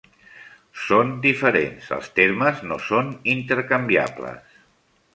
Són diferents, els termes no són intercanviables.